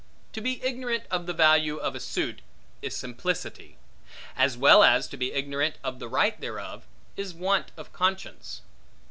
To be ignorant of the value of a suit, is simplicity; as well as to be ignorant of the right thereof, is want of conscience.